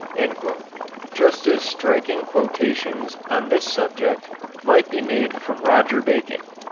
" Just as striking quotations on this subject might be made from Roger Bacon.